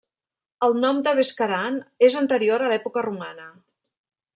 El nom de Bescaran és anterior a l'època romana.